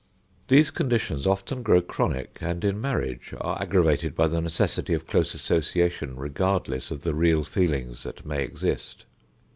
These conditions often grow chronic, and in marriage are aggravated by the necessity of close association regardless of the real feelings that may exist.